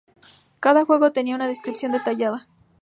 Cada juego tenía una descripción detallada.